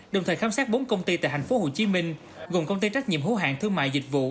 đồng thời khám sát bốn công ty tại thành phố hồ chí minh gồm công ty trách nhiệm hữu hạng thương mại dịch vụ